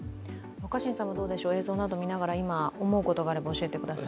若新さん、映像などを見ながら今思うことを教えてください。